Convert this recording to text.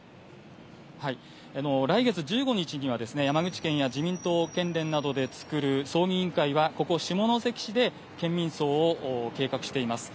来月１５日には、山口県や自民党県連などで作る葬儀委員会は、ここ下関市で県民葬を計画しています。